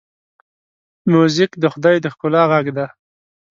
موزیک د خدای د ښکلا غږ دی.